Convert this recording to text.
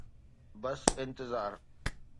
بس انتظار.